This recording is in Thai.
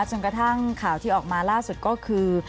จนกระทั่งข่าวที่ออกมาล่าสุดก็คือ